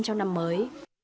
trong năm mới